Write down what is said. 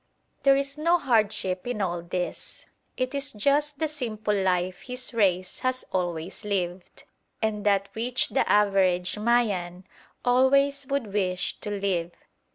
There is no hardship in all this. It is just the simple life his race has always lived, and that which the average Mayan always would wish to live.